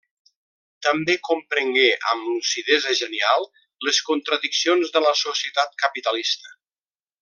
També comprengué, amb lucidesa genial, les contradiccions de la societat capitalista.